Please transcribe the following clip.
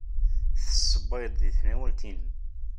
Tessewwayeḍ deg tenwalt-nnem.